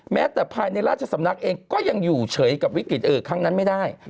แม้แต่ภายในราชสำนักเองก็ยังอยู่เฉยกับวิกฤตครั้งนั้นไม่ได้